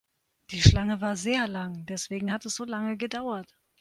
Die Schlange war sehr lang, deswegen hat es so lange gedauert.